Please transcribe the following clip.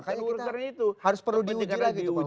nah makanya kita harus perlu diuji lagi itu pak bapak